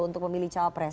untuk memilih cawapres